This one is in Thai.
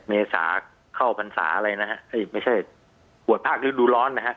เมษาเข้าพรรษาอะไรนะฮะไม่ใช่ปวดภาคฤดูร้อนนะฮะ